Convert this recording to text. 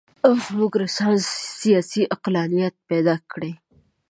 او زموږ رنسانس سیاسي عقلانیت پیدا کړي.